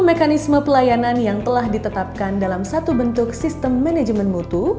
dan mekanisme pelayanan yang telah ditetapkan dalam satu bentuk sistem manajemen mutu